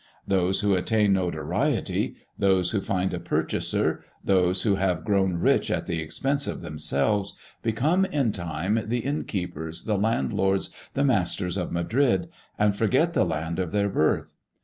Those who attain notoriety, those who find a purchaser, those who have grown rich at the expense of themselves, become in time the innkeepers, the landlords, the masters of Madrid, and forget the land of their birth.